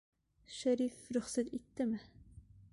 Шәриф... рөхсәт иттеме?